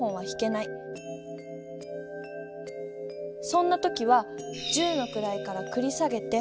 そんな時は十のくらいからくり下げて。